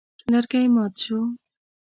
لرګی مات شو.